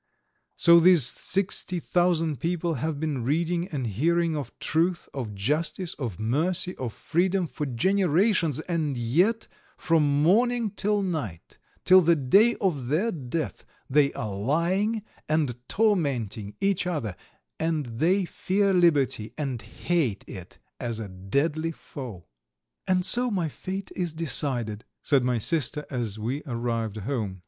So these sixty thousand people have been reading and hearing of truth, of justice, of mercy, of freedom for generations, and yet from morning till night, till the day of their death, they are lying, and tormenting each other, and they fear liberty and hate it as a deadly foe. "And so my fate is decided," said my sister, as we arrived home.